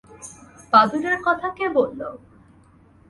বাদুড়ের কথা কে বললো?